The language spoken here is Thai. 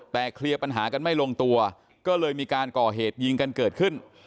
แต่เคลียร์ปัญหากันไม่ลงตัวก็เลยมีการก่อเหตุยิงกันเกิดขึ้น